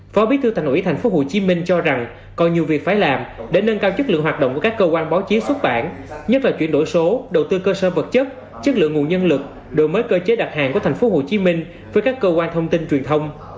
phó bí thư thành ủy tp hcm cho rằng còn nhiều việc phải làm để nâng cao chất lượng hoạt động của các cơ quan báo chí xuất bản nhất là chuyển đổi số đầu tư cơ sở vật chất chất lượng nguồn nhân lực đổi mới cơ chế đặt hàng của tp hcm với các cơ quan thông tin truyền thông